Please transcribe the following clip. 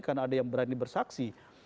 karena ada yang berani bersaksi